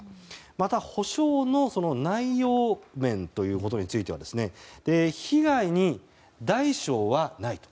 また補償の内容面については被害に大小はないと。